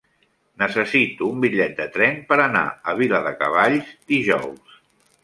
Necessito un bitllet de tren per anar a Viladecavalls dijous.